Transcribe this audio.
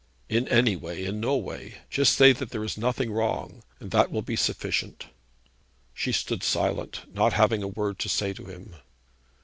'In any way. In no way. Just say that there is nothing wrong, and that will be sufficient.' She stood silent, not having a word to say to him.